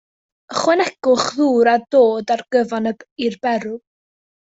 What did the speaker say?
Ychwanegwch ddŵr a dod â'r cyfan i'r berw.